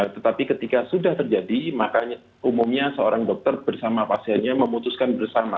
tetapi ketika sudah terjadi maka umumnya seorang dokter bersama pasiennya memutuskan bersama